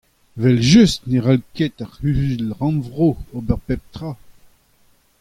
Evel-just ne cʼhall ket ar Cʼhuzul-rannvro ober pep tra !